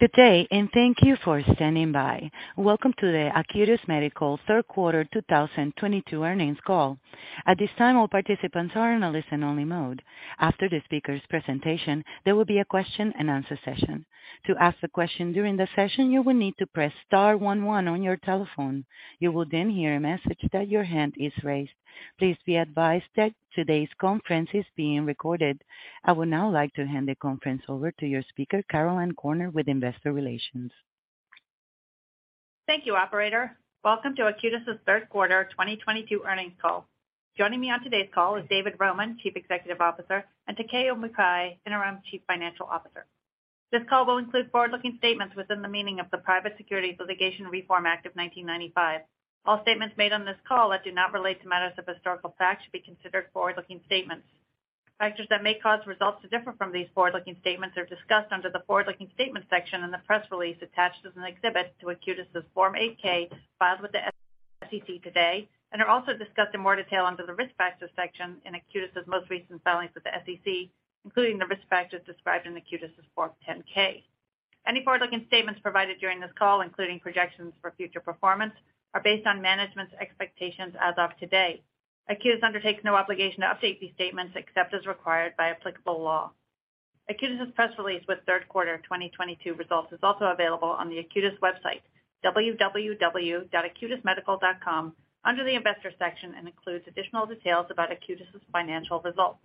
Good day, and thank you for standing by. Welcome to the Acutus Medical third quarter 2022 earnings call. At this time, all participants are in a listen only mode. After the speaker's presentation, there will be a question and answer session. To ask a question during the session, you will need to press star one one on your telephone. You will then hear a message that your hand is raised. Please be advised that today's conference is being recorded. I would now like to hand the conference over to your speaker, Caroline Corner with Investor Relations. Thank you, operator. Welcome to Acutus's third quarter 2022 earnings call. Joining me on today's call is David Roman, Chief Executive Officer, and Takeo Mukai, Interim Chief Financial Officer. This call will include forward-looking statements within the meaning of the Private Securities Litigation Reform Act of 1995. All statements made on this call that do not relate to matters of historical fact should be considered forward-looking statements. Factors that may cause results to differ from these forward-looking statements are discussed under the forward-looking statements section in the press release attached as an exhibit to Acutus's Form 8-K filed with the SEC today, and are also discussed in more detail under the Risk Factors section in Acutus's most recent filings with the SEC, including the risk factors described in Acutus's Form 10-K. Any forward-looking statements provided during this call, including projections for future performance, are based on management's expectations as of today. Acutus undertakes no obligation to update these statements except as required by applicable law. Acutus's press release with third quarter 2022 results is also available on the Acutus website, www.acutusmedical.com, under the Investors section, and includes additional details about Acutus's financial results.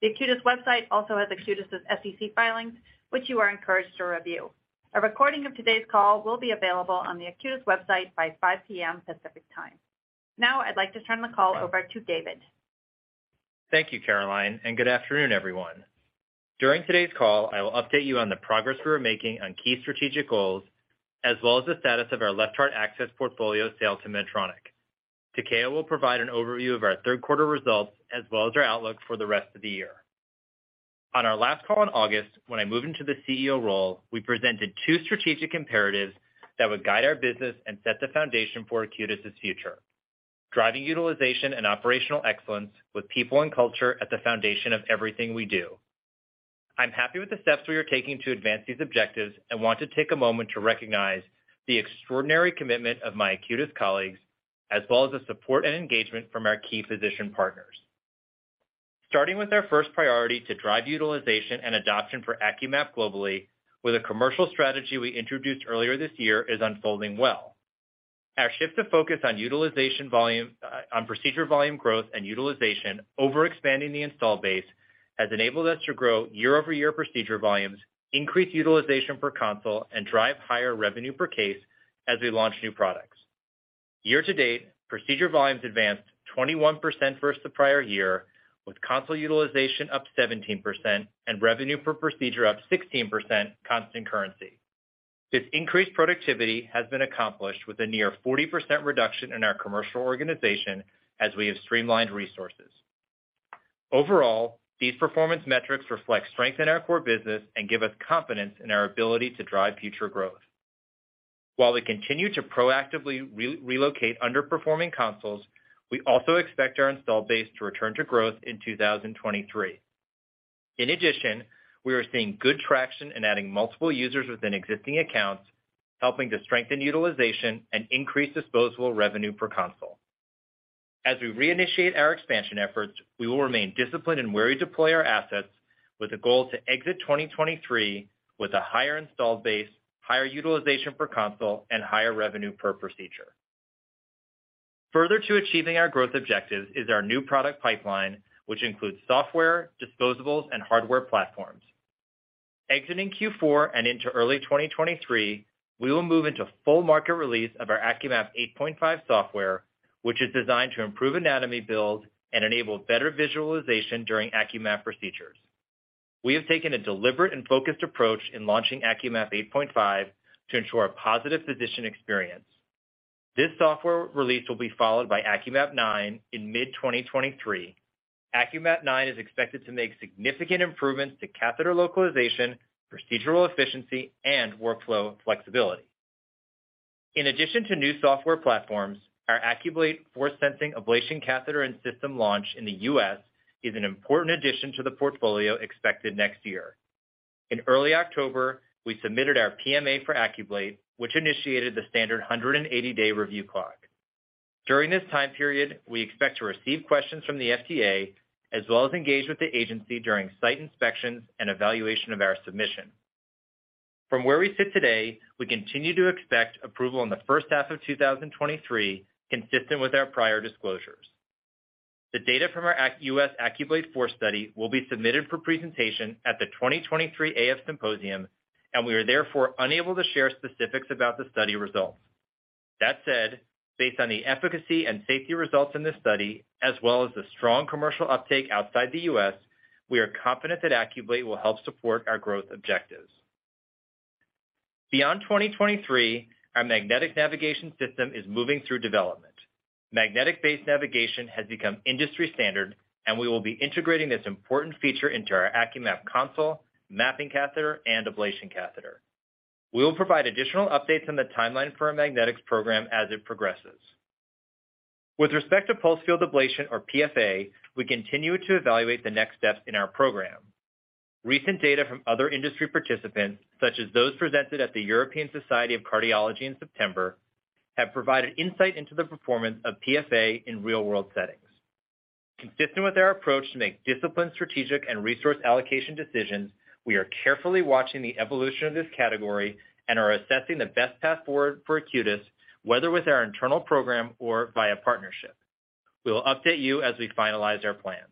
The Acutus website also has Acutus's SEC filings, which you are encouraged to review. A recording of today's call will be available on the Acutus website by 5:00 P.M. Pacific Time. Now I'd like to turn the call over to David. Thank you, Caroline, and good afternoon, everyone. During today's call, I will update you on the progress we are making on key strategic goals, as well as the status of our left-heart access portfolio sale to Medtronic. Takeo will provide an overview of our third quarter results as well as our outlook for the rest of the year. On our last call in August, when I moved into the CEO role, we presented two strategic imperatives that would guide our business and set the foundation for Acutus's future, driving utilization and operational excellence with people and culture at the foundation of everything we do. I'm happy with the steps we are taking to advance these objectives and want to take a moment to recognize the extraordinary commitment of my Acutus colleagues, as well as the support and engagement from our key physician partners. Starting with our first priority to drive utilization and adoption for AcQMap globally, with a commercial strategy we introduced earlier this year is unfolding well. Our shift of focus on procedure volume growth and utilization over expanding the install base has enabled us to grow year-over-year procedure volumes, increase utilization per console, and drive higher revenue per case as we launch new products. Year to date, procedure volumes advanced 21% versus the prior year, with console utilization up 17% and revenue per procedure up 16% constant currency. This increased productivity has been accomplished with a near 40% reduction in our commercial organization as we have streamlined resources. Overall, these performance metrics reflect strength in our core business and give us confidence in our ability to drive future growth. While we continue to proactively re-relocate underperforming consoles, we also expect our install base to return to growth in 2023. In addition, we are seeing good traction in adding multiple users within existing accounts, helping to strengthen utilization and increase disposable revenue per console. As we reinitiate our expansion efforts, we will remain disciplined in where we deploy our assets with a goal to exit 2023 with a higher install base, higher utilization per console, and higher revenue per procedure. Further to achieving our growth objectives is our new product pipeline, which includes software, disposables, and hardware platforms. Exiting Q4 and into early 2023, we will move into full market release of our AcQMap 8.5 software, which is designed to improve anatomy build and enable better visualization during AcQMap procedures. We have taken a deliberate and focused approach in launching AcQMap 8.5 to ensure a positive physician experience. This software release will be followed by AcQMap 9 in mid 2023. AcQMap 9 is expected to make significant improvements to catheter localization, procedural efficiency, and workflow flexibility. In addition to new software platforms, our AcQBlate FORCE sensing ablation catheter and system launch in the U.S. is an important addition to the portfolio expected next year. In early October, we submitted our PMA for AcQBlate FORCE, which initiated the standard 180-day review clock. During this time period, we expect to receive questions from the FDA as well as engage with the agency during site inspections and evaluation of our submission. From where we sit today, we continue to expect approval in the first half of 2023, consistent with our prior disclosures. The data from our U.S. AcQBlate FORCE study will be submitted for presentation at the 2023 AF Symposium, and we are therefore unable to share specifics about the study results. That said, based on the efficacy and safety results in this study, as well as the strong commercial uptake outside the U.S., we are confident that AcQBlate will help support our growth objectives. Beyond 2023, our magnetic navigation system is moving through development. Magnetic-based navigation has become industry standard, and we will be integrating this important feature into our AcQMap console, mapping catheter, and ablation catheter. We will provide additional updates on the timeline for our magnetics program as it progresses. With respect to pulsed field ablation or PFA, we continue to evaluate the next steps in our program. Recent data from other industry participants, such as those presented at the European Society of Cardiology in September, have provided insight into the performance of PFA in real-world settings. Consistent with our approach to make disciplined, strategic, and resource allocation decisions, we are carefully watching the evolution of this category and are assessing the best path forward for Acutus, whether with our internal program or via partnership. We will update you as we finalize our plans.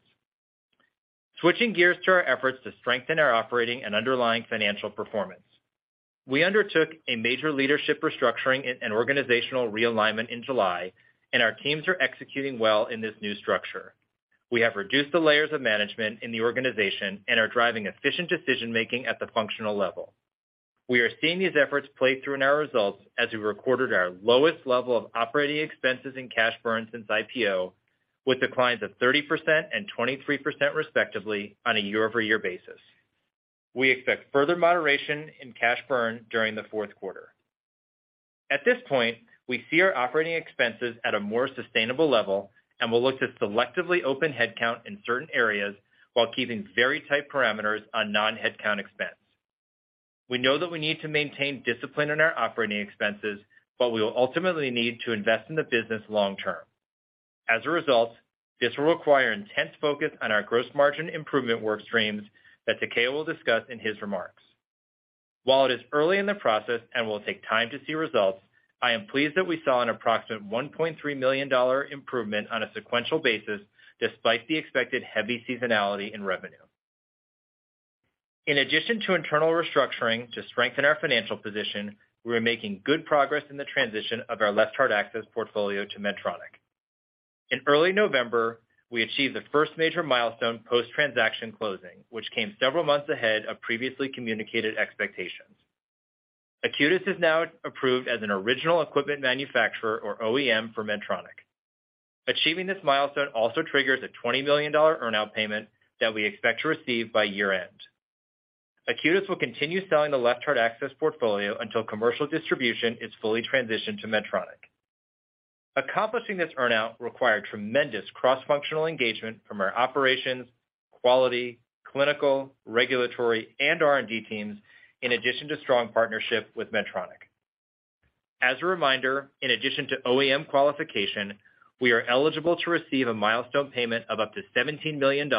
Switching gears to our efforts to strengthen our operating and underlying financial performance. We undertook a major leadership restructuring and organizational realignment in July, and our teams are executing well in this new structure. We have reduced the layers of management in the organization and are driving efficient decision-making at the functional level. We are seeing these efforts play through in our results as we recorded our lowest level of operating expenses and cash burn since IPO, with declines of 30% and 23% respectively on a year-over-year basis. We expect further moderation in cash burn during the fourth quarter. At this point, we see our operating expenses at a more sustainable level and will look to selectively open headcount in certain areas while keeping very tight parameters on non-headcount expense. We know that we need to maintain discipline in our operating expenses, but we will ultimately need to invest in the business long term. As a result, this will require intense focus on our gross margin improvement work streams that Takeo will discuss in his remarks. While it is early in the process and will take time to see results, I am pleased that we saw an approximate $1.3 million improvement on a sequential basis despite the expected heavy seasonality in revenue. In addition to internal restructuring to strengthen our financial position, we are making good progress in the transition of our left-heart access portfolio to Medtronic. In early November, we achieved the first major milestone post-transaction closing, which came several months ahead of previously communicated expectations. Acutus is now approved as an original equipment manufacturer or OEM for Medtronic. Achieving this milestone also triggers a $20 million earnout payment that we expect to receive by year-end. Acutus will continue selling the left-heart access portfolio until commercial distribution is fully transitioned to Medtronic. Accomplishing this earnout required tremendous cross-functional engagement from our operations, quality, clinical, regulatory, and R&D teams, in addition to strong partnership with Medtronic. As a reminder, in addition to OEM qualification, we are eligible to receive a milestone payment of up to $17 million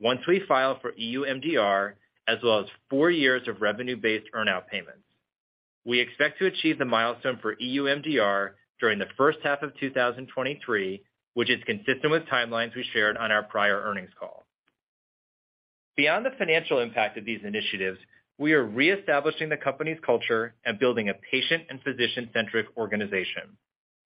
once we file for EU MDR, as well as four years of revenue-based earnout payments. We expect to achieve the milestone for EU MDR during the first half of 2023, which is consistent with timelines we shared on our prior earnings call. Beyond the financial impact of these initiatives, we are reestablishing the company's culture and building a patient and physician-centric organization.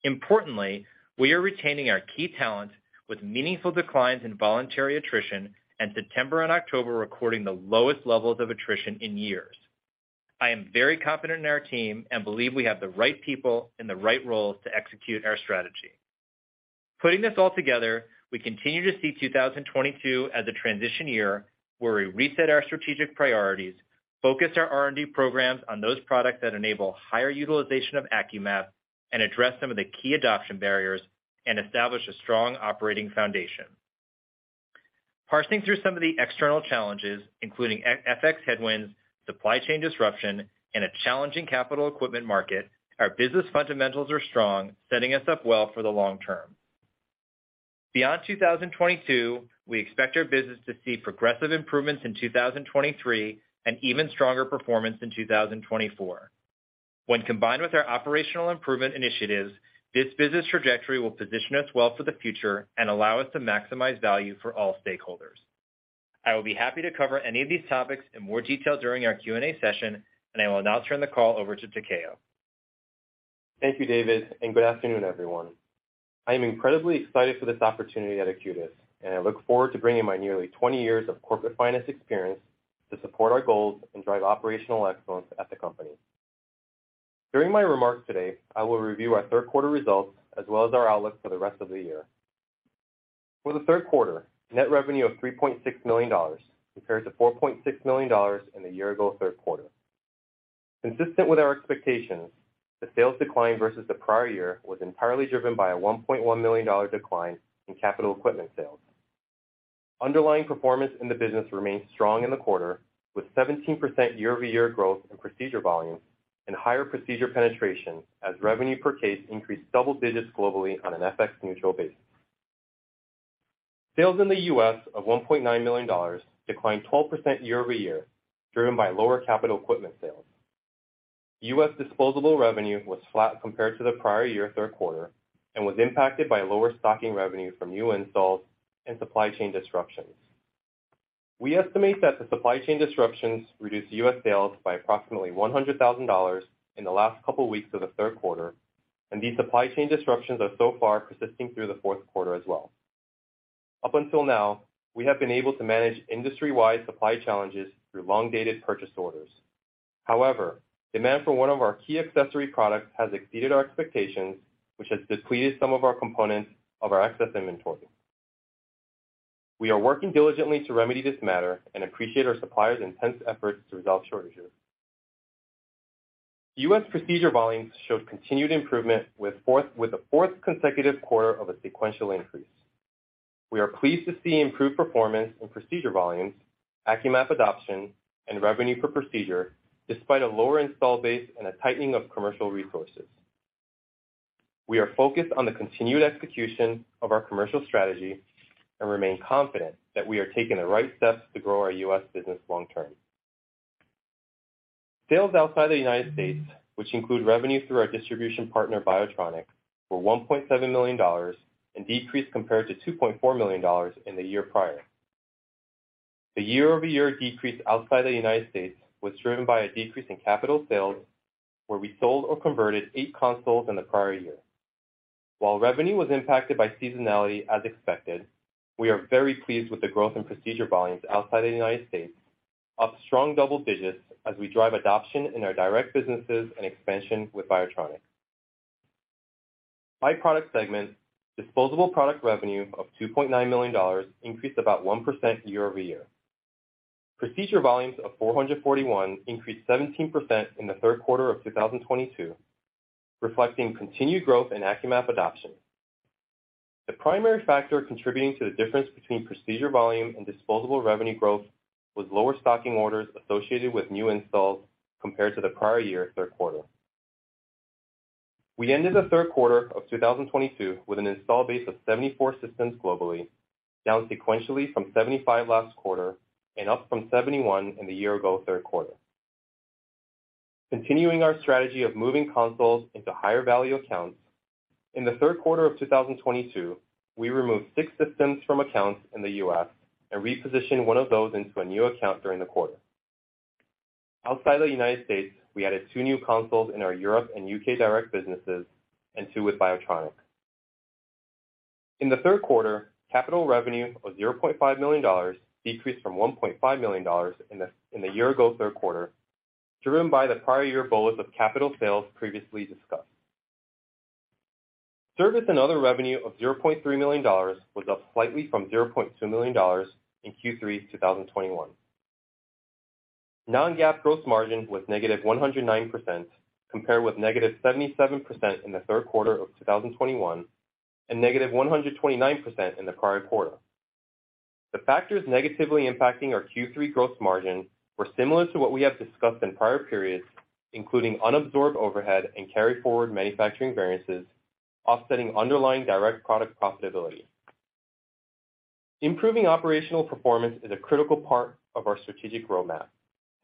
Importantly, we are retaining our key talent with meaningful declines in voluntary attrition, and September and October recording the lowest levels of attrition in years. I am very confident in our team and believe we have the right people in the right roles to execute our strategy. Putting this all together, we continue to see 2022 as a transition year where we reset our strategic priorities, focus our R&D programs on those products that enable higher utilization of AcQMap, and address some of the key adoption barriers and establish a strong operating foundation. Parsing through some of the external challenges, including FX headwinds, supply chain disruption, and a challenging capital equipment market, our business fundamentals are strong, setting us up well for the long term. Beyond 2022, we expect our business to see progressive improvements in 2023 and even stronger performance in 2024. When combined with our operational improvement initiatives, this business trajectory will position us well for the future and allow us to maximize value for all stakeholders. I will be happy to cover any of these topics in more detail during our Q&A session, and I will now turn the call over to Takeo. Thank you, David, and good afternoon, everyone. I am incredibly excited for this opportunity at Acutus, and I look forward to bringing my nearly 20 years of corporate finance experience to support our goals and drive operational excellence at the company. During my remarks today, I will review our third quarter results as well as our outlook for the rest of the year. For the third quarter, net revenue of $3.6 million compares to $4.6 million in the year-ago third quarter. Consistent with our expectations, the sales decline versus the prior year was entirely driven by a $1.1 million decline in capital equipment sales. Underlying performance in the business remained strong in the quarter, with 17% year-over-year growth in procedure volume and higher procedure penetration as revenue per case increased double digits globally on an FX neutral basis. Sales in the U.S. of $1.9 million declined 12% year-over-year, driven by lower capital equipment sales. U.S. disposable revenue was flat compared to the prior year third quarter and was impacted by lower stocking revenue from new installs and supply chain disruptions. We estimate that the supply chain disruptions reduced U.S. sales by approximately $100,000 in the last couple weeks of the third quarter, and these supply chain disruptions are so far persisting through the fourth quarter as well. Up until now, we have been able to manage industry-wide supply challenges through long-dated purchase orders. However, demand for one of our key accessory products has exceeded our expectations, which has depleted some of our components of our excess inventory. We are working diligently to remedy this matter and appreciate our suppliers' intense efforts to resolve shortages. U.S. procedure volumes showed continued improvement with the fourth consecutive quarter of a sequential increase. We are pleased to see improved performance in procedure volumes, AcQMap adoption and revenue per procedure despite a lower install base and a tightening of commercial resources. We are focused on the continued execution of our commercial strategy and remain confident that we are taking the right steps to grow our U.S. business long term. Sales outside the United States, which include revenue through our distribution partner, BIOTRONIK, were $1.7 million and decreased compared to $2.4 million in the year prior. The year-over-year decrease outside the United States was driven by a decrease in capital sales, where we sold or converted 8 consoles in the prior year. While revenue was impacted by seasonality as expected, we are very pleased with the growth in procedure volumes outside the United States, up strong double digits as we drive adoption in our direct businesses and expansion with BIOTRONIK. By product segment, disposable product revenue of $2.9 million increased about 1% year-over-year. Procedure volumes of 441 increased 17% in the third quarter of 2022, reflecting continued growth in AcQMap adoption. The primary factor contributing to the difference between procedure volume and disposable revenue growth was lower stocking orders associated with new installs compared to the prior year third quarter. We ended the third quarter of 2022 with an install base of 74 systems globally, down sequentially from 75 last quarter and up from 71 in the year ago third quarter. Continuing our strategy of moving consoles into higher value accounts, in the third quarter of 2022, we removed 6 systems from accounts in the U.S. and repositioned 1 of those into a new account during the quarter. Outside the United States, we added 2 new consoles in our Europe and U.K. direct businesses and 2 with BIOTRONIK. In the third quarter, capital revenue of $0.5 million decreased from $1.5 million in the year-ago third quarter, driven by the prior year bullet of capital sales previously discussed. Service and other revenue of $0.3 million was up slightly from $0.2 million in Q3 2021. non-GAAP gross margin was -109%, compared with -77% in the third quarter of 2021, and -129% in the prior quarter. The factors negatively impacting our Q3 gross margin were similar to what we have discussed in prior periods, including unabsorbed overhead and carry forward manufacturing variances, offsetting underlying direct product profitability. Improving operational performance is a critical part of our strategic roadmap,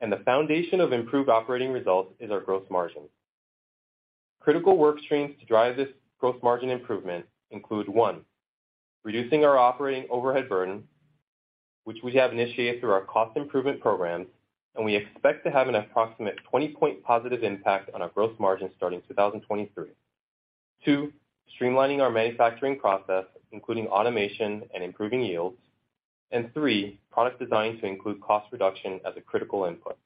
and the foundation of improved operating results is our gross margin. Critical work streams to drive this gross margin improvement include, one, reducing our operating overhead burden, which we have initiated through our cost improvement program, and we expect to have an approximate 20-point positive impact on our gross margin starting 2023. Two, streamlining our manufacturing process, including automation and improving yields. Three, product design to include cost reduction as a critical input.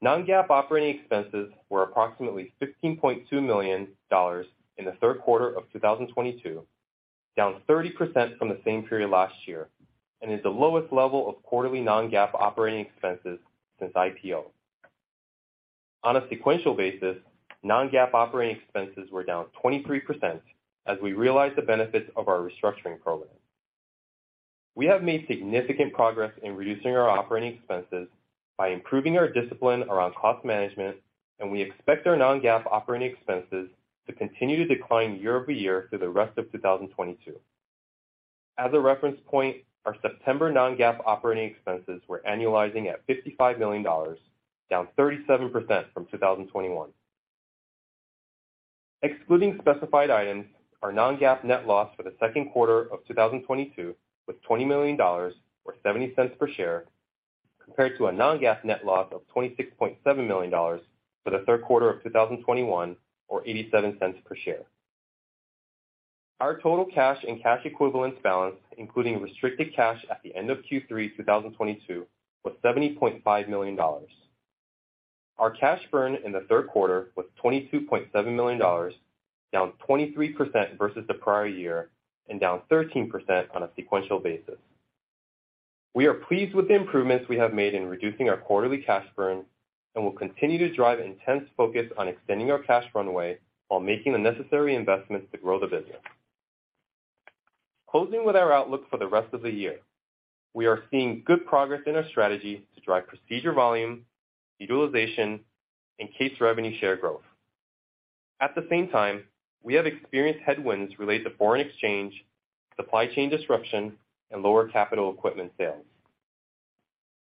Non-GAAP operating expenses were approximately $15.2 million in the third quarter of 2022, down 30% from the same period last year, and is the lowest level of quarterly non-GAAP operating expenses since IPO. On a sequential basis, non-GAAP operating expenses were down 23% as we realized the benefits of our restructuring program. We have made significant progress in reducing our operating expenses by improving our discipline around cost management, and we expect our non-GAAP operating expenses to continue to decline year-over-year through the rest of 2022. As a reference point, our September non-GAAP operating expenses were annualizing at $55 million, down 37% from 2021. Excluding specified items, our non-GAAP net loss for the second quarter of 2022 was $20 million or $0.70 per share, compared to a non-GAAP net loss of $26.7 million for the third quarter of 2021 or $0.87 per share. Our total cash and cash equivalents balance, including restricted cash at the end of Q3 2022, was $70.5 million. Our cash burn in the third quarter was $22.7 million, down 23% versus the prior year and down 13% on a sequential basis. We are pleased with the improvements we have made in reducing our quarterly cash burn and will continue to drive intense focus on extending our cash runway while making the necessary investments to grow the business. Closing with our outlook for the rest of the year. We are seeing good progress in our strategy to drive procedure volume, utilization, and case revenue share growth. At the same time, we have experienced headwinds related to foreign exchange, supply chain disruption, and lower capital equipment sales.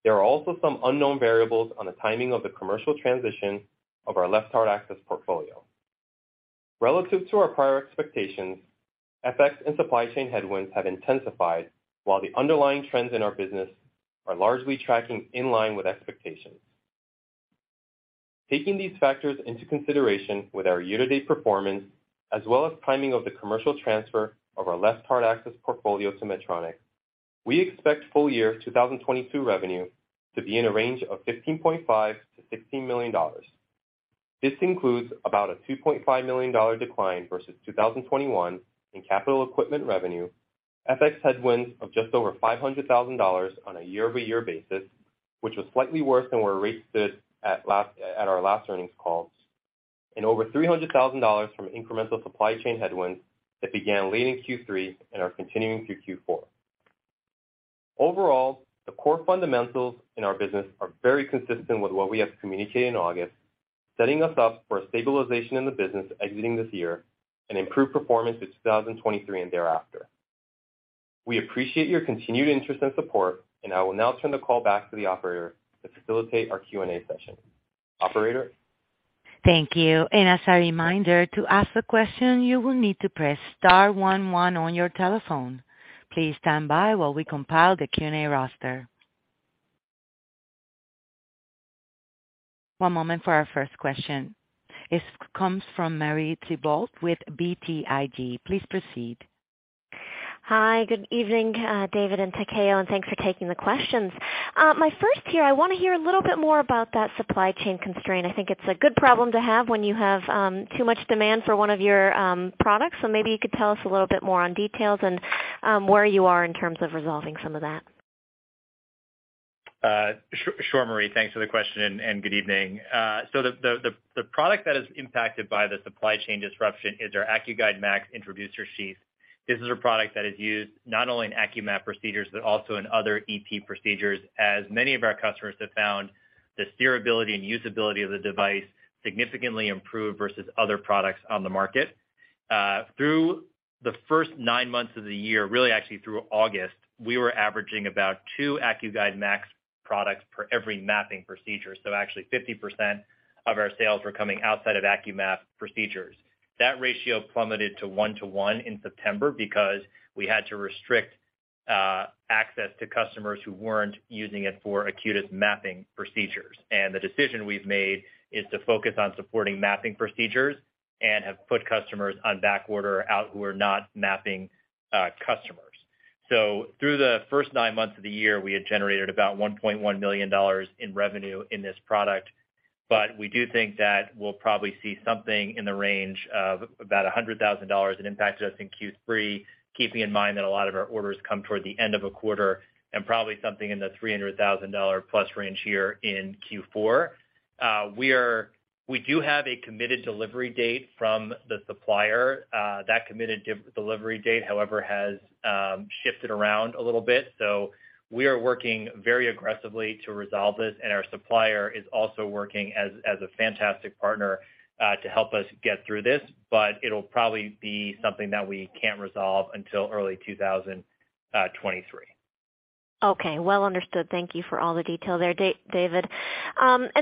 There are also some unknown variables on the timing of the commercial transition of our left-heart access portfolio. Relative to our prior expectations, FX and supply chain headwinds have intensified, while the underlying trends in our business are largely tracking in line with expectations. Taking these factors into consideration with our year-to-date performance as well as timing of the commercial transfer of our left-heart access portfolio to Medtronic, we expect full year 2022 revenue to be in a range of $15.5 million-$16 million. This includes about a $2.5 million decline versus 2021 in capital equipment revenue. FX headwinds of just over $500,000 on a year-over-year basis, which was slightly worse than where rates stood at our last earnings call. Over $300,000 from incremental supply chain headwinds that began late in Q3 and are continuing through Q4. Overall, the core fundamentals in our business are very consistent with what we have communicated in August, setting us up for a stabilization in the business exiting this year and improved performance in 2023 and thereafter. We appreciate your continued interest and support, and I will now turn the call back to the operator to facilitate our Q&A session. Operator? Thank you. As a reminder, to ask a question, you will need to press star one one on your telephone. Please stand by while we compile the Q&A roster. One moment for our first question. This comes from Marie Thibault with BTIG. Please proceed. Hi, good evening, David and Takeo, and thanks for taking the questions. My first here, I want to hear a little bit more about that supply chain constraint. I think it's a good problem to have when you have too much demand for one of your products. Maybe you could tell us a little bit more on details and where you are in terms of resolving some of that. Sure, Marie. Thanks for the question and good evening. The product that is impacted by the supply chain disruption is our AcQGuide MAX Steerable Sheath. This is a product that is used not only in AcQMap procedures, but also in other EP procedures, as many of our customers have found the steerability and usability of the device significantly improved versus other products on the market. Through the first nine months of the year, actually through August, we were averaging about two AcQGuide MAX products per every mapping procedure. Actually 50% of our sales were coming outside of AcQMap procedures. That ratio plummeted to 1-to-1 in September because we had to restrict access to customers who weren't using it for Acutus mapping procedures. The decision we've made is to focus on supporting mapping procedures and have put customers on backorder who are not mapping customers. Through the first nine months of the year, we had generated about $1.1 million in revenue in this product. But we do think that we'll probably see something in the range of about $100,000 that impacted us in Q3, keeping in mind that a lot of our orders come toward the end of a quarter, and probably something in the $300,000 plus range here in Q4. We do have a committed delivery date from the supplier. That committed delivery date, however, has shifted around a little bit. We are working very aggressively to resolve this, and our supplier is also working as a fantastic partner to help us get through this. It'll probably be something that we can't resolve until early 2023. Okay. Well understood. Thank you for all the detail there, David.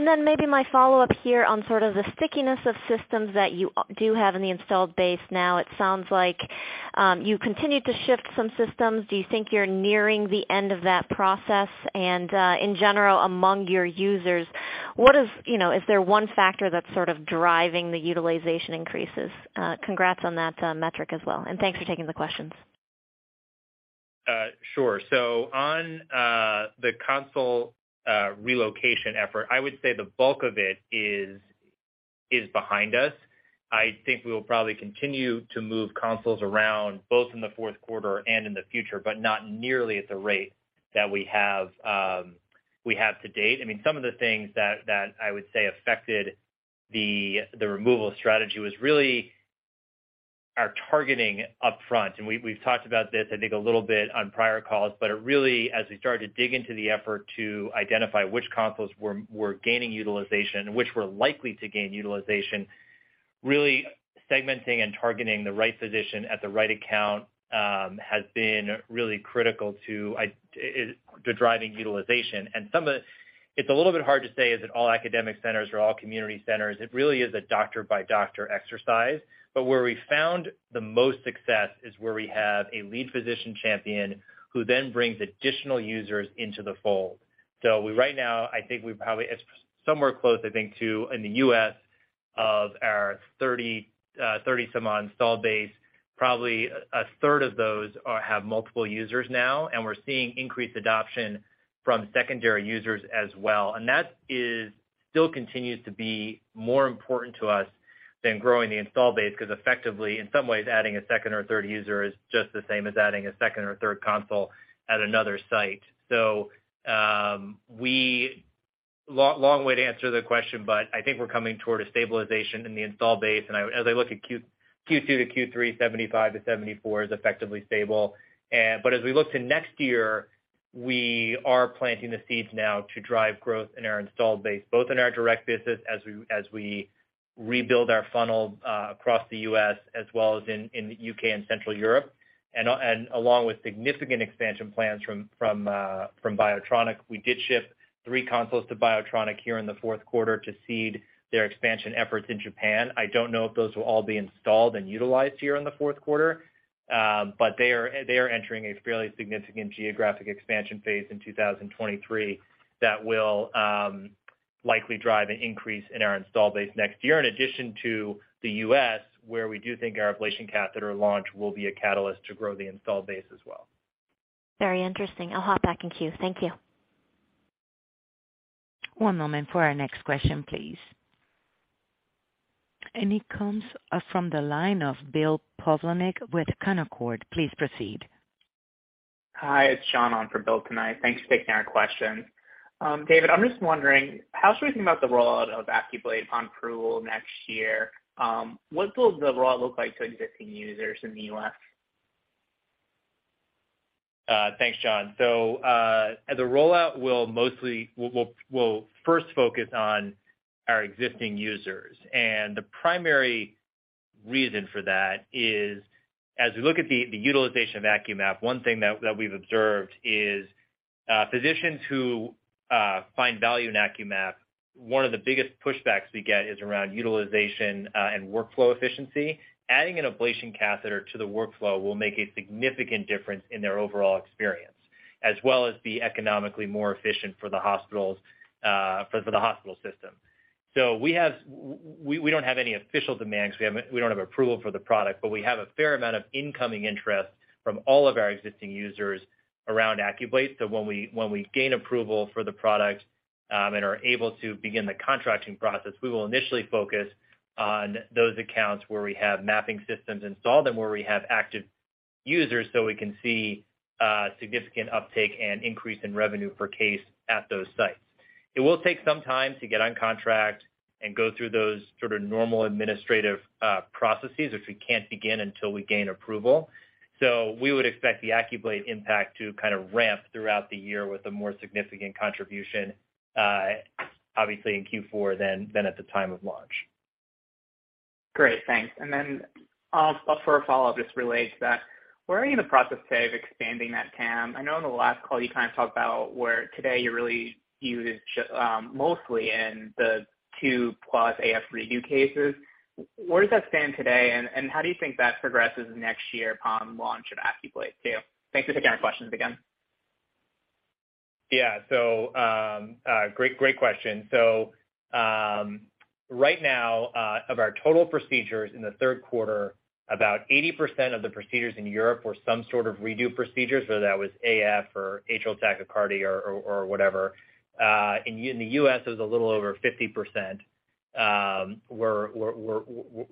Then maybe my follow-up here on sort of the stickiness of systems that you do have in the installed base now. It sounds like you continued to shift some systems. Do you think you're nearing the end of that process? In general, among your users, what is. You know, is there one factor that's sort of driving the utilization increases? Congrats on that metric as well, and thanks for taking the questions. Sure. On the console relocation effort, I would say the bulk of it is behind us. I think we will probably continue to move consoles around both in the fourth quarter and in the future, but not nearly at the rate that we have to date. I mean, some of the things that I would say affected the removal strategy was really our targeting up front. We've talked about this, I think, a little bit on prior calls, but it really as we started to dig into the effort to identify which consoles were gaining utilization and which were likely to gain utilization, really segmenting and targeting the right physician at the right account has been really critical to driving utilization. Some of it is a little bit hard to say, is it all academic centers or all community centers. It really is a doctor by doctor exercise. Where we found the most success is where we have a lead physician champion who then brings additional users into the fold. We right now, I think, probably it's somewhere close, I think, to in the U.S. of our 30-some-odd installed base, probably a third of those have multiple users now, and we're seeing increased adoption from secondary users as well. That is still continues to be more important to us than growing the install base, because effectively, in some ways, adding a second or third user is just the same as adding a second or third console at another site. Long, long way to answer the question, but I think we're coming toward a stabilization in the install base. I, as I look at Q2 to Q3, 75 to 74 is effectively stable. But as we look to next year, we are planting the seeds now to drive growth in our installed base, both in our direct business as we rebuild our funnel across the U.S. as well as in the U.K. and Central Europe. Along with significant expansion plans from BIOTRONIK. We did ship three consoles to BIOTRONIK here in the fourth quarter to seed their expansion efforts in Japan. I don't know if those will all be installed and utilized here in the fourth quarter, but they are entering a fairly significant geographic expansion phase in 2023 that will likely drive an increase in our install base next year, in addition to the U.S., where we do think our ablation catheter launch will be a catalyst to grow the install base as well. Very interesting. I'll hop back in queue. Thank you. One moment for our next question, please. It comes from the line of Bill Plovanic with Canaccord. Please proceed. Hi, it's John on for Bill tonight. Thanks for taking our questions. David, I'm just wondering how should we think about the rollout of AcQBlate upon approval next year? What will the rollout look like to existing users in the U.S.? Thanks, John. The rollout will mostly, we'll first focus on our existing users. The primary reason for that is, as we look at the utilization of AcQMap, one thing that we've observed is physicians who find value in AcQMap, one of the biggest pushbacks we get is around utilization and workflow efficiency. Adding an ablation catheter to the workflow will make a significant difference in their overall experience, as well as be economically more efficient for the hospitals, for the hospital system. We don't have any official demands. We don't have approval for the product, but we have a fair amount of incoming interest from all of our existing users around AcQBlate. When we gain approval for the product, and are able to begin the contracting process, we will initially focus on those accounts where we have mapping systems installed and where we have active users so we can see significant uptake and increase in revenue per case at those sites. It will take some time to get on contract and go through those sort of normal administrative processes, which we can't begin until we gain approval. We would expect the AcQBlate impact to kind of ramp throughout the year with a more significant contribution, obviously in Q4 than at the time of launch. Great, thanks. I'll for a follow-up, just related to that, where are you in the process today of expanding that TAM? I know in the last call you kind of talked about where today you're really used, mostly in the 2+ AF redo cases. Where does that stand today, and how do you think that progresses next year upon launch of AcQBlate too? Thanks for taking our questions again. Great question. Right now, of our total procedures in the third quarter, about 80% of the procedures in Europe were some sort of redo procedures, so that was AF or atrial tachycardia or whatever. In the U.S., it was a little over 50% were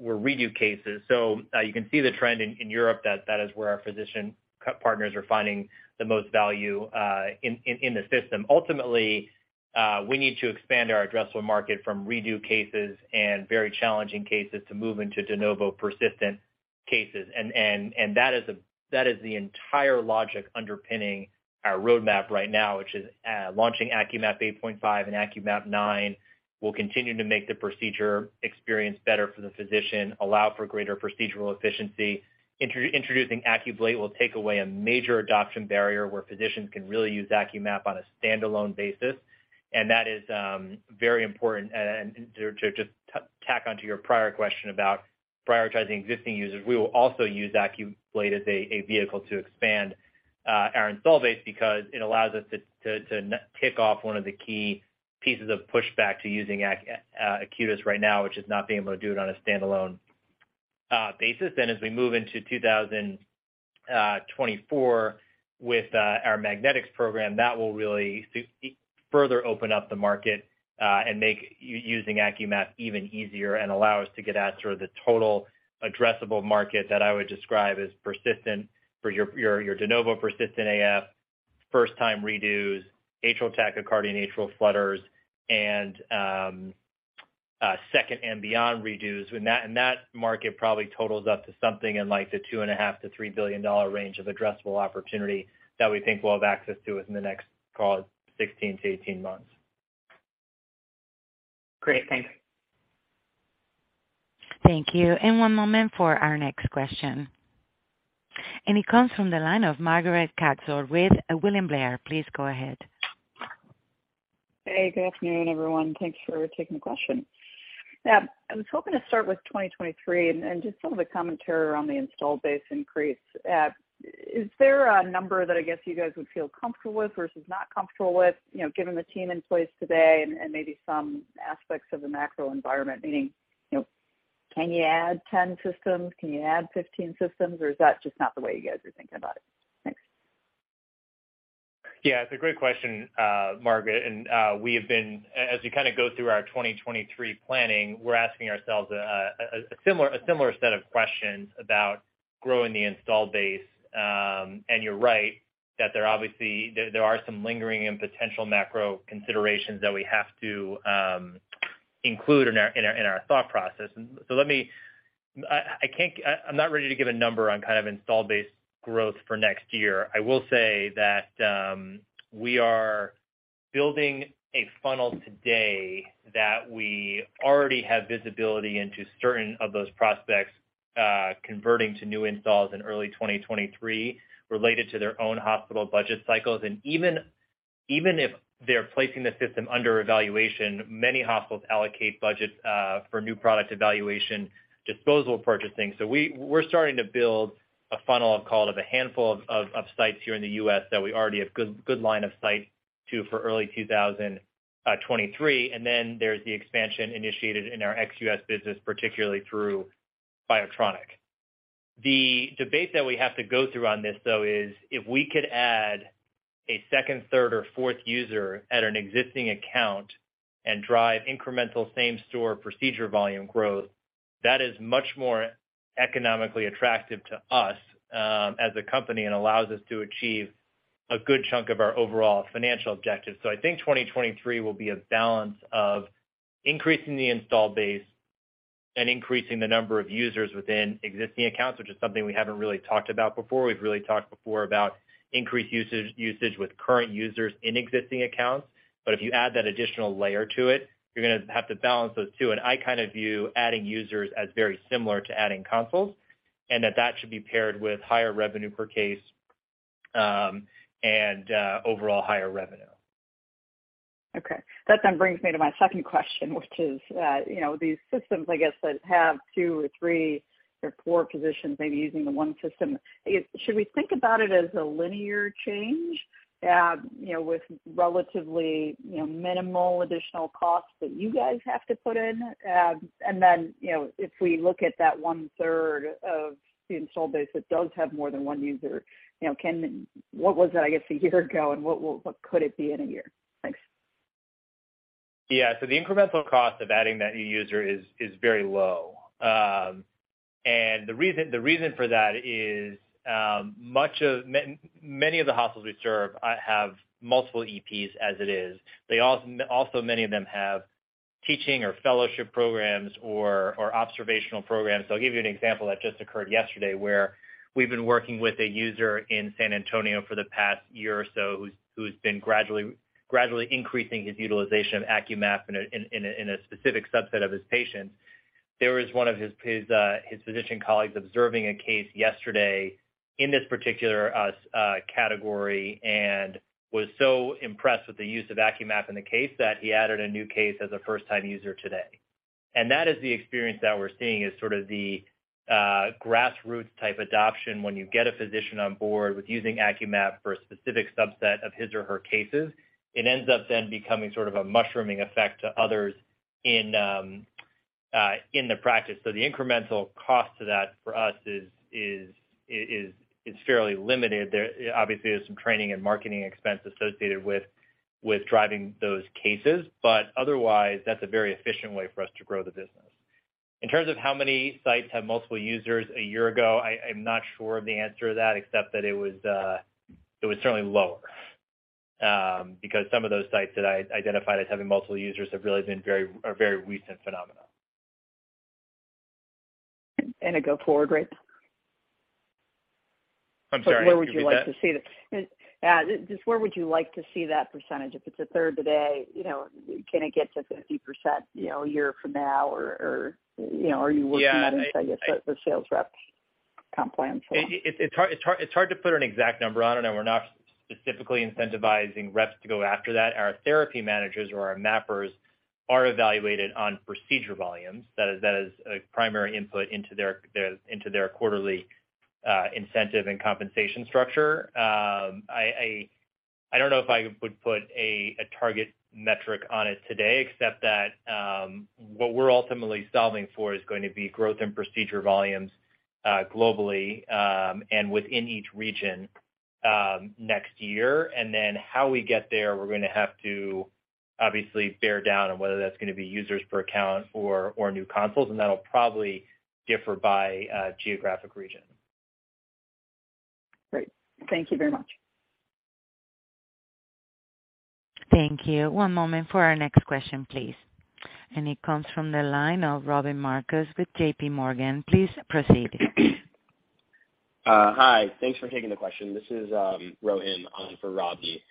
redo cases. You can see the trend in Europe that that is where our physician partners are finding the most value in the system. Ultimately, we need to expand our addressable market from redo cases and very challenging cases to move into de novo persistent cases. That is the entire logic underpinning our roadmap right now, which is launching AcQMap 8.5 and AcQMap 9 will continue to make the procedure experience better for the physician, allow for greater procedural efficiency. Introducing AcQBlate will take away a major adoption barrier where physicians can really use AcQMap on a standalone basis, and that is very important. To just tack onto your prior question about prioritizing existing users, we will also use AcQBlate as a vehicle to expand our install base because it allows us to tick off one of the key pieces of pushback to using Acutus right now, which is not being able to do it on a standalone basis. As we move into 2024 with our magnetics program, that will really further open up the market and make using AcQMap even easier and allow us to get at sort of the total addressable market that I would describe as persistent for your de novo persistent AF, first time redos, atrial tachycardia and atrial flutters and second and beyond redos. That market probably totals up to something in like the $2.5 billion-$3 billion range of addressable opportunity that we think we'll have access to within the next, call it 16-18 months. Great. Thanks. Thank you. One moment for our next question. It comes from the line of Margaret Kaczor with William Blair. Please go ahead. Hey, good afternoon, everyone. Thanks for taking the question. I was hoping to start with 2023 and just some of the commentary around the install base increase. Is there a number that I guess you guys would feel comfortable with versus not comfortable with, you know, given the team in place today and maybe some aspects of the macro environment, meaning, you know, can you add 10 systems? Can you add 15 systems, or is that just not the way you guys are thinking about it? Thanks. Yeah, it's a great question, Margaret. We have been, as we kinda go through our 2023 planning, we're asking ourselves a similar set of questions about growing the install base. You're right that there are obviously some lingering and potential macro considerations that we have to include in our thought process. Let me. I can't. I'm not ready to give a number on kind of install base growth for next year. I will say that we are building a funnel today that we already have visibility into certain of those prospects converting to new installs in early 2023 related to their own hospital budget cycles. Even if they're placing the system under evaluation, many hospitals allocate budgets for new product evaluation, capital purchasing. We're starting to build a funnel of, call it, a handful of sites here in the U.S. that we already have good line of sight to for early 2023. Then there's the expansion initiated in our ex-U.S. business, particularly through BIOTRONIK. The debate that we have to go through on this though is if we could add a second, third or fourth user at an existing account and drive incremental same store procedure volume growth, that is much more economically attractive to us as a company and allows us to achieve a good chunk of our overall financial objectives. I think 2023 will be a balance of increasing the installed base and increasing the number of users within existing accounts, which is something we haven't really talked about before. We've really talked before about increased usage with current users in existing accounts. If you add that additional layer to it, you're gonna have to balance those two. I kind of view adding users as very similar to adding consoles, and that should be paired with higher revenue per case, and overall higher revenue. That then brings me to my second question, which is, you know, these systems I guess that have two or three or four positions maybe using the one system. Should we think about it as a linear change, you know, with relatively, you know, minimal additional costs that you guys have to put in? You know, if we look at that one-third of the install base that does have more than one user, you know, what was it, I guess, a year ago, and what could it be in a year? Thanks. Yeah. The incremental cost of adding that new user is very low. The reason for that is many of the hospitals we serve have multiple EPs as it is. They also, many of them, have teaching or fellowship programs or observational programs. I'll give you an example that just occurred yesterday where we've been working with a user in San Antonio for the past year or so who's been gradually increasing his utilization of AcQMap in a specific subset of his patients. There was one of his physician colleagues observing a case yesterday in this particular category, and was so impressed with the use of AcQMap in the case that he added a new case as a first time user today. That is the experience that we're seeing is sort of the grassroots type adoption. When you get a physician on board with using AcQMap for a specific subset of his or her cases, it ends up then becoming sort of a mushrooming effect to others in the practice. The incremental cost to that for us is fairly limited. There obviously is some training and marketing expense associated with driving those cases, but otherwise that's a very efficient way for us to grow the business. In terms of how many sites have multiple users a year ago, I'm not sure of the answer to that except that it was certainly lower because some of those sites that I identified as having multiple users are very recent phenomena. A go forward rate? I'm sorry, can you repeat that? Like, where would you like to see it? Just where would you like to see that percentage? If it's a third today, you know, can it get to 50%, you know, a year from now or, you know, are you working on it, I guess, with the sales reps compliantly? It's hard to put an exact number on it. We're not specifically incentivizing reps to go after that. Our therapy managers or our mappers are evaluated on procedure volumes. That is a primary input into their quarterly incentive and compensation structure. I don't know if I would put a target metric on it today, except that what we're ultimately solving for is going to be growth in procedure volumes globally and within each region next year. Then how we get there, we're gonna have to obviously bear down on whether that's gonna be users per account or new consoles, and that'll probably differ by geographic region. Great. Thank you very much. Thank you. One moment for our next question, please. It comes from the line of Robbie Marcus with J.P. Morgan. Please proceed. Hi. Thanks for taking the question. This is Rohan on for Robbie Marcus.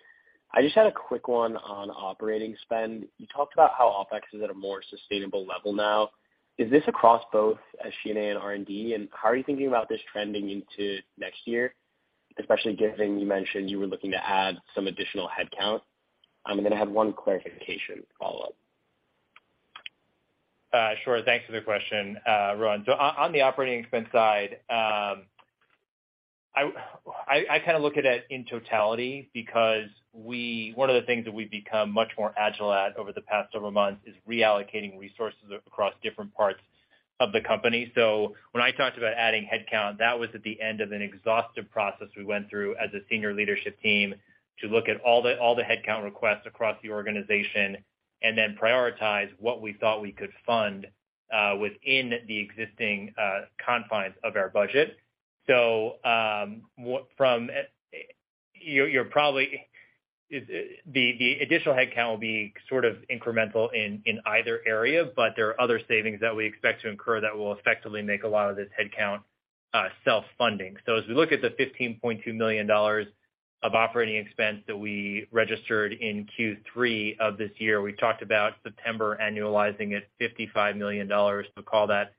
I just had a quick one on operating spend. You talked about how OpEx is at a more sustainable level now. Is this across both SG&A and R&D? How are you thinking about this trending into next year, especially given you mentioned you were looking to add some additional headcount? Then I have one clarification follow-up. Sure. Thanks for the question, Rohan. On the operating expense side, I kinda look at it in totality because one of the things that we've become much more agile at over the past several months is reallocating resources across different parts of the company. When I talked about adding headcount, that was at the end of an exhaustive process we went through as a senior leadership team to look at all the headcount requests across the organization and then prioritize what we thought we could fund within the existing confines of our budget. You're probably. The additional headcount will be sort of incremental in either area, but there are other savings that we expect to incur that will effectively make a lot of this headcount self-funding. As we look at the $15.2 million of operating expense that we registered in Q3 of this year, we talked about September annualizing at $55 million. Call that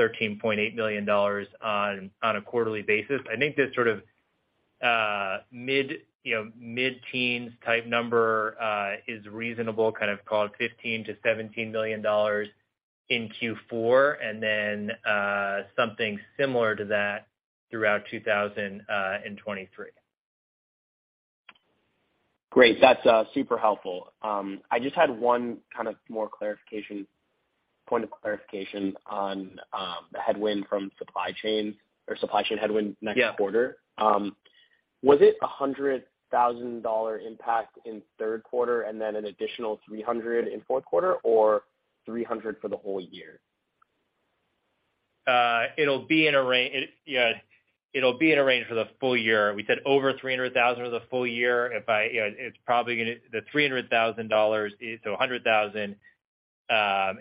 $13.8 million on a quarterly basis. I think this sort of mid-teens type number is reasonable, kind of call it $15-$17 million in Q4, and then something similar to that throughout 2023. Great. That's super helpful. I just had one point of clarification on the headwind from supply chain or supply chain headwind next quarter. Yeah. Was it a $100,000 impact in third quarter and then an additional $300,000 in fourth quarter or $300,000 for the whole year? It'll be in a range for the full year. We said over $300,000 for the full year. You know, it's probably gonna be the $300,000, so $100,000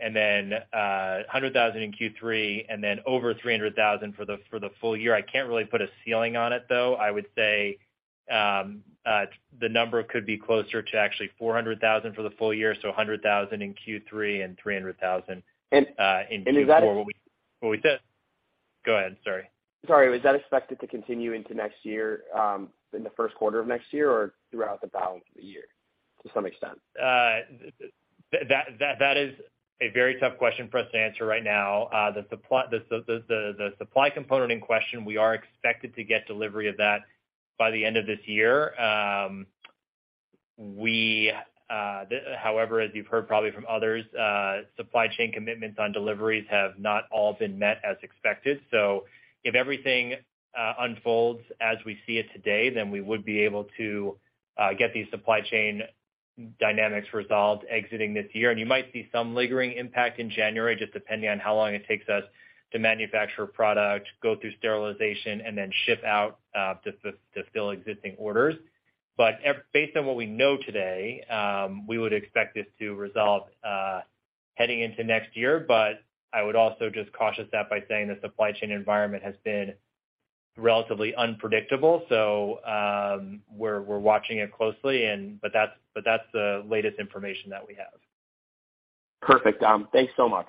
and then $100,000 in Q3 and then over $300,000 for the full year. I can't really put a ceiling on it, though. I would say the number could be closer to actually $400,000 for the full year, so $100,000 in Q3 and $300,000 in Q4. Is that? What we said. Go ahead, sorry. Sorry. Was that expected to continue into next year, in the first quarter of next year or throughout the balance of the year to some extent? That is a very tough question for us to answer right now. The supply component in question, we are expected to get delivery of that by the end of this year. However, as you've heard probably from others, supply chain commitments on deliveries have not all been met as expected. If everything unfolds as we see it today, then we would be able to get these supply chain dynamics resolved exiting this year. You might see some lingering impact in January, just depending on how long it takes us to manufacture product, go through sterilization, and then ship out to fill existing orders. Based on what we know today, we would expect this to resolve heading into next year. I would also just caution that by saying the supply chain environment has been relatively unpredictable. We're watching it closely, and that's the latest information that we have. Perfect. Thanks so much.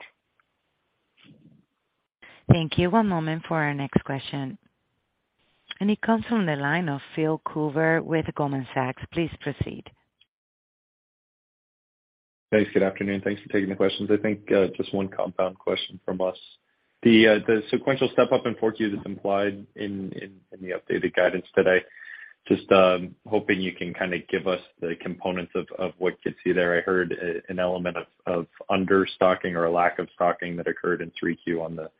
Thank you. One moment for our next question. It comes from the line of Phil Coover with Goldman Sachs. Please proceed. Thanks. Good afternoon. Thanks for taking the questions. I think just one compound question from us. The sequential step up in 4Q that's implied in the updated guidance today, just hoping you can kind of give us the components of what gets you there. I heard an element of understocking or lack of stocking that occurred in 3Q on the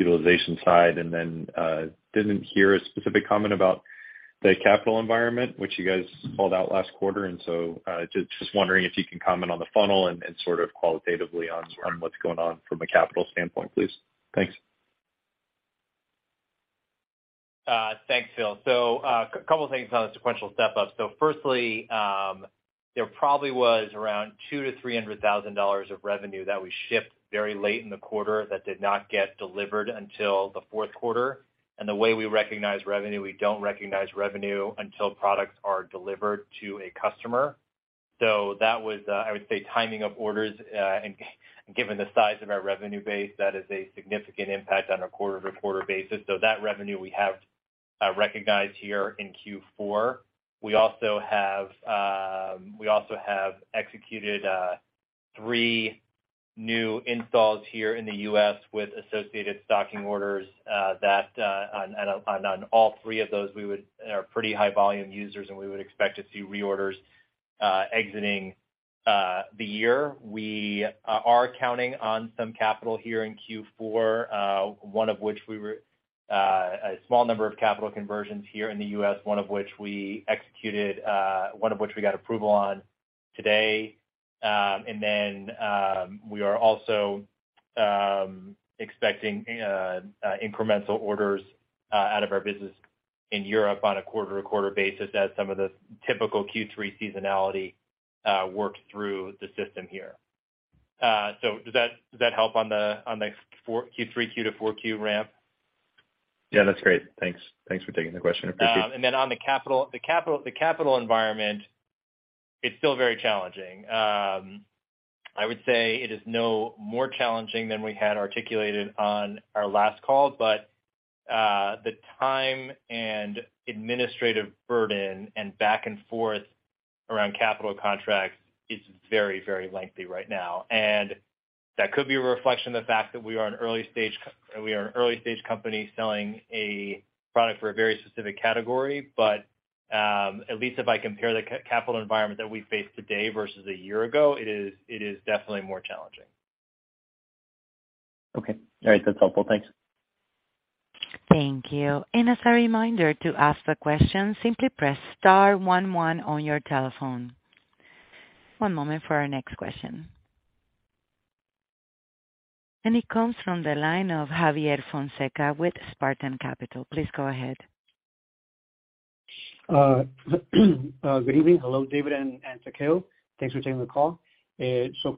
utilization side. I didn't hear a specific comment about the capital environment which you guys called out last quarter. Just wondering if you can comment on the funnel and sort of qualitatively on what's going on from a capital standpoint, please. Thanks. Thanks, Phil. Couple things on the sequential step-up. Firstly, there probably was around $200,000-$300,000 of revenue that we shipped very late in the quarter that did not get delivered until the fourth quarter. The way we recognize revenue, we don't recognize revenue until products are delivered to a customer. That was, I would say, timing of orders, and given the size of our revenue base, that is a significant impact on a quarter-to-quarter basis. That revenue we have recognized here in Q4. We also have executed three new installs here in the U.S. with associated stocking orders, and on all three of those we are pretty high volume users and we would expect to see reorders exiting the year. We are counting on some capital here in Q4, a small number of capital conversions here in the U.S., one of which we executed, one of which we got approval on today. We are also expecting incremental orders out of our business in Europe on a quarter-to-quarter basis as some of the typical Q3 seasonality work through the system here. Does that help on the Q3 to 4Q ramp? Yeah, that's great. Thanks. Thanks for taking the question. Appreciate it. On the capital environment, it's still very challenging. I would say it is no more challenging than we had articulated on our last call. The time and administrative burden and back and forth around capital contracts is very, very lengthy right now. That could be a reflection of the fact that we are an early-stage company selling a product for a very specific category. At least if I compare the capital environment that we face today versus a year ago, it is definitely more challenging. Okay. All right. That's helpful. Thanks. Thank you. As a reminder to ask a question, simply press star one one on your telephone. One moment for our next question. It comes from the line of Javier Fonseca with Spartan Capital. Please go ahead. Good evening. Hello, David and Takeo. Thanks for taking the call.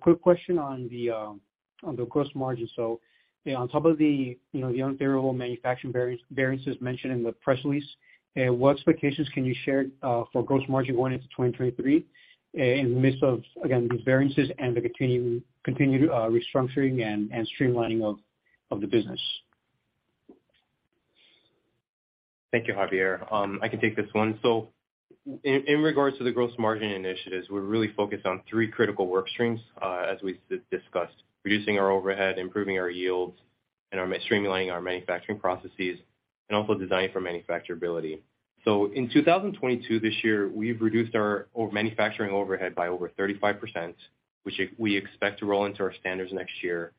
Quick question on the gross margin. On top of the, you know, the unfavorable manufacturing variances mentioned in the press release, what expectations can you share for gross margin going into 2023 in the midst of, again, these variances and the continued restructuring and streamlining of the business? Thank you, Javier. I can take this one. In regards to the gross margin initiatives, we're really focused on three critical work streams, as we discussed: reducing our overhead, improving our yields, streamlining our manufacturing processes, and also designing for manufacturability. In 2022, this year, we've reduced our manufacturing overhead by over 35%, which we expect to roll into our standards next year.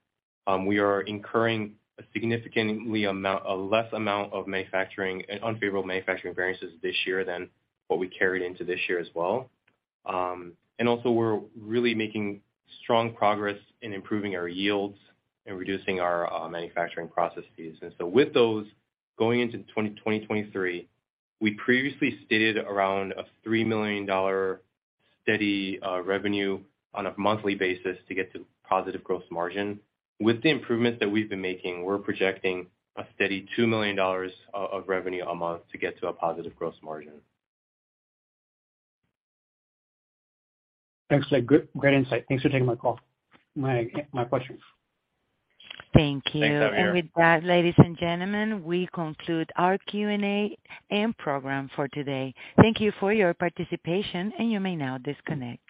We are incurring a significantly less amount of manufacturing unfavorable variances this year than what we carried into this year as well. We're really making strong progress in improving our yields and reducing our manufacturing process fees. With those going into 2023, we previously stated around $3 million steady revenue on a monthly basis to get to positive gross margin. With the improvements that we've been making, we're projecting a steady $2 million of revenue a month to get to a positive gross margin. Thanks. Great insight. Thanks for taking my call. My questions. Thank you. Thanks, Javier. With that, ladies and gentlemen, we conclude our Q&A and program for today. Thank you for your participation, and you may now disconnect.